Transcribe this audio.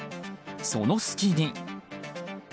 その隙に。